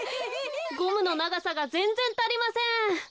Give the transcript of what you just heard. ゴムのながさがぜんぜんたりません。